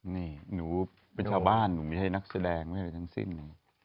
นี่หนูเป็นชาวบ้านหนูไม่ใช่นักแสดงไม่ใช่อะไรทั้งสิ้น